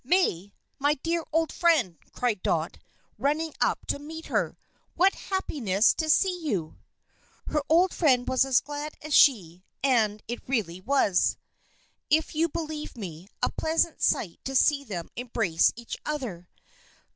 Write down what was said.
"May! My dear old friend!" cried Dot, running up to meet her. "What happiness to see you!" Her old friend was as glad as she, and it really was, if you'll believe me, a pleasant sight to see them embrace each other.